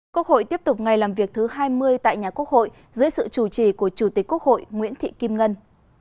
quốc hội tiếp tục ngày làm việc thứ hai mươi tại nhà quốc hội dưới sự chủ trì của chủ tịch quốc hội nguyễn thị kim ngân